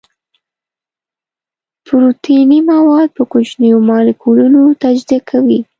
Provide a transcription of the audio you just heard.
پروتیني مواد په کوچنیو مالیکولونو تجزیه کوي.